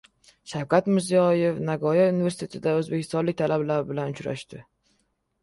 Shavkat Mirziyoyev Nagoya universitetida o‘zbekistonlik talabalar bilan uchrashdi